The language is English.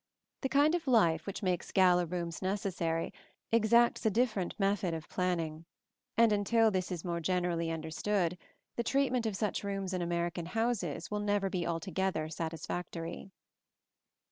The kind of life which makes gala rooms necessary exacts a different method of planning; and until this is more generally understood the treatment of such rooms in American houses will never be altogether satisfactory.